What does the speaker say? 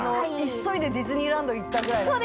急いでディズニーランド行ったぐらいだね。